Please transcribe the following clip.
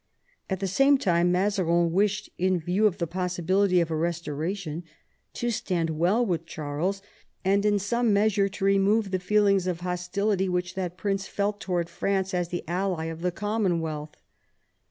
At the same time, Mazarin wished, in view of the possibility of a restoration, to stand well with Charles, and in some measure to remove the feelings of hostility which that prince felt towards France as the ally of the Commonwealth.